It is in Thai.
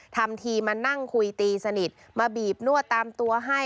ทำทีมานั่งคุยตีสนิทมาบีบนวดตามตัวให้